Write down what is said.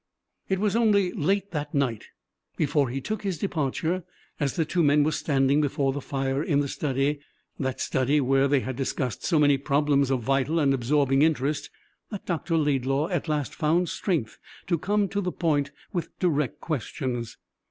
It was only late that night, before he took his departure, as the two men were standing before the fire in the study that study where they had discussed so many problems of vital and absorbing interest that Dr. Laidlaw at last found strength to come to the point with direct questions.